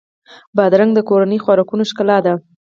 بادرنګ د کورنیو خوراکونو ښکلا ده.